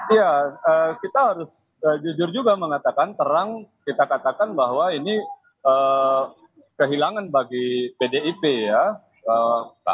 iya kita harus jujur juga mengatakan terang kita katakan bahwa ini kehilangan bagi pdip ya